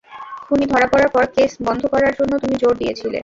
খুনি ধরা পড়ার পর কেস বন্ধ করার জন্য তুমি জোর দিয়েছিলে।